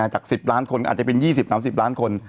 จาก๑๐ล้านคนอาจจะเป็น๒๐๓๐ล้านคน